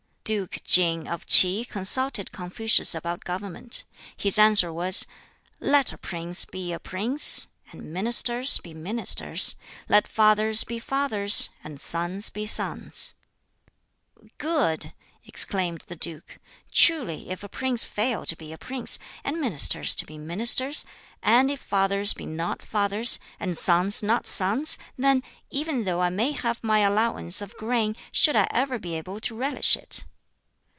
Duke King of Ts'i consulted Confucius about government. His answer was, "Let a prince be a prince, and ministers be ministers; let fathers be fathers, and sons be sons." "Good!" exclaimed the duke; "truly if a prince fail to be a prince, and ministers to be ministers, and if fathers be not fathers, and sons not sons, then, even though I may have my allowance of grain, should I ever be able to relish it?"